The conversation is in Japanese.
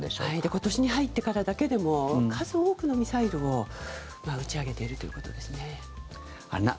今年に入ってからだけでも数多くのミサイルを打ち上げているということですね。